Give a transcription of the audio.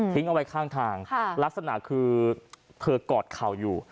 เอาไว้ข้างทางลักษณะคือเธอกอดเข่าอยู่